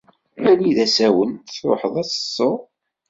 Ali d asawen, tṛuḥeḍ ad teṭṭseḍ.